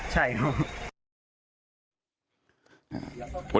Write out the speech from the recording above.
ใช่ครับ